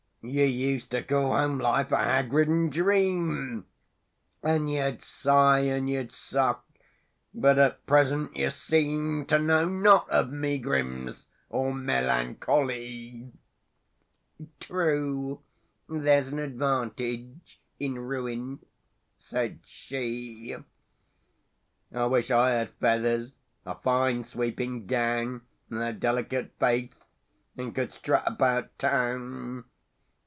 —"You used to call home life a hag ridden dream, And you'd sigh, and you'd sock; but at present you seem To know not of megrims or melancho ly!"— "True. There's an advantage in ruin," said she. —"I wish I had feathers, a fine sweeping gown, And a delicate face, and could strut about Town!"